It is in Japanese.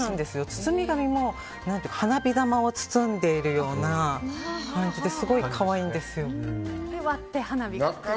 包み紙も花火玉を包んでいるような感じですごい可愛いんですよ。